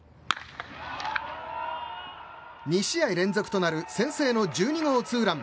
２試合連続となる先制の１２号ツーラン。